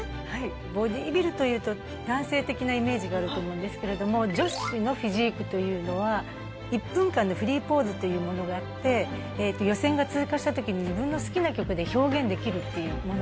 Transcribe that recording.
ボディビルというと男性的なイメージがあると思うんですけれども女子のフィジークというのは１分間のフリーポーズというものをやって予選が通過した時に自分の好きな曲で表現できるっていうものがあるんですね。